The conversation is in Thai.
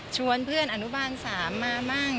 ชวนเพื่อนอาณุบาลดิง๓มาบ้าง